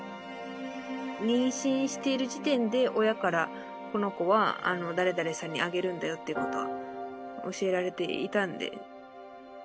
妊娠している時点で、親から、この子は誰々さんにあげるんだよということは教えられていたんで。